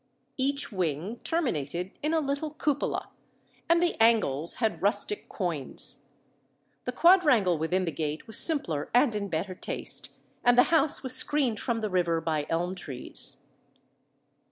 Each wing terminated in a little cupola, and the angles had rustic quoins. The quadrangle within the gate was simpler and in better taste, and the house was screened from the river by elm trees.